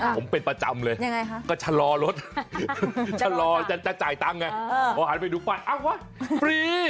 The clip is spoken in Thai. ผมเป็นประจำเลยยังไงคะก็ชะลอรถชะลอจะจ่ายตังค์ไงพอหันไปดูป้ายอ้าววะฟรี